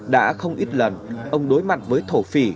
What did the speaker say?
đã không ít lần ông đối mặt với thổ phỉ